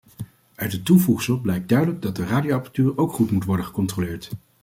Uit het toevoegsel blijkt duidelijk dat de radioapparatuur ook goed moet worden gecontroleerd.